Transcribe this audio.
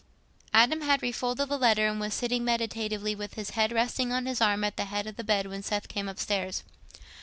Adam had refolded the letter, and was sitting meditatively with his head resting on his arm at the head of the bed, when Seth came upstairs.